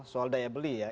soal daya beli ya